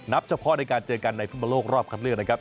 เฉพาะในการเจอกันในฟุตบอลโลกรอบคัดเลือกนะครับ